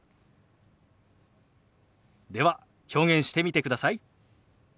では表現してみてください。